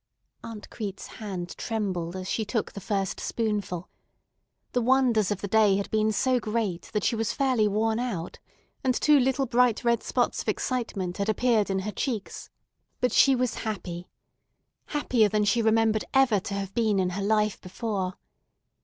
Aunt Crete's hand trembled as she took the first spoonful. The wonders of the day had been so great that she was fairly worn out, and two little bright red spots of excitement had appeared in her cheeks, but she was happy! Happier than she remembered ever to have been in her life before.